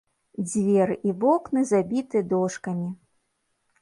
Дзверы і вокны забіты дошкамі.